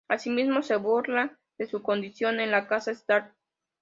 Asimismo se burla de su condición en la casa Stark.